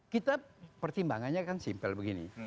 kita pertimbangannya kan simpel begini